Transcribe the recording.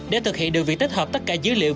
để thực hiện điều việc tích hợp tất cả dữ liệu